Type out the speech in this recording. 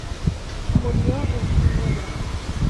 Murió en Ginebra.